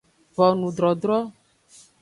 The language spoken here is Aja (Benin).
Vonudrodro.